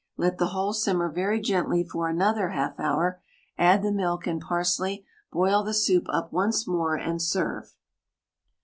Let the whole simmer very gently for another 1/2 hour, add the milk and parsley, boil the soup up once more, and serve.